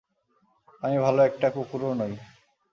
আমি ভালো একটা কুকুরও নই।